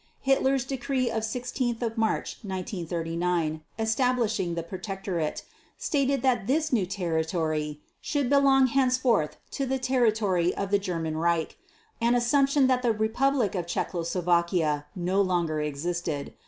Hitler's decree of 16 March 1939, establishing the Protectorate, stated that this new territory should "belong henceforth to the territory of the German Reich", an assumption that the Republic of Czechoslovakia no longer existed.